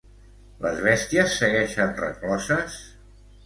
Les bèsties segueixen recloses?